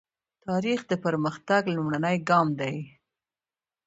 تاریخ د پرمختګ لومړنی ګام دی.